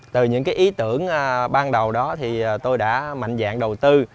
từ những ý tưởng ban đầu đó thì tôi đã mạnh dạng đầu tư